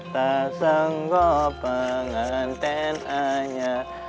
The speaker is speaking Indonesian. tak sanggup pengantin anyar